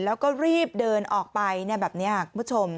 แล้วก็รีบเดินออกไปแบบนี้คุณผู้ชม